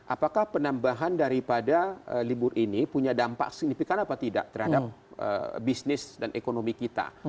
apakah penambahan daripada libur ini punya dampak signifikan apa tidak terhadap bisnis dan ekonomi kita